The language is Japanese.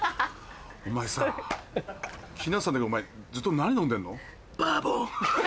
お前さ気になってたんだけどお前ずっと何飲んでんの？